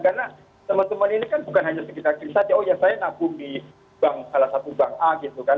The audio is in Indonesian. karena teman teman ini kan bukan hanya sekitar kris saja oh ya saya nabung di salah satu bank a gitu kan